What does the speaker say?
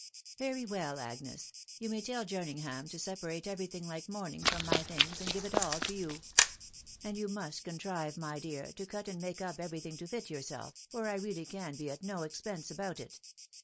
''Very well, then, Agnes, you may tell Jerningham to w parate every thing like mourning from my things, aneYgfai it all to you. And you must contrive, my dear, to cot aasl up every thing to fit yourself, for I really can b# at n» pense about it.